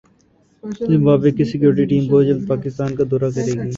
Zimbabwe کی security team بہت جلد پاکستان کا دورہ کریگی